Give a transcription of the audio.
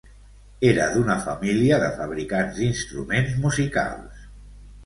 Era d'una família de fabricants d'instruments musicals.